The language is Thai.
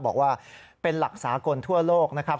บอกว่าเป็นหลักสากลทั่วโลกนะครับ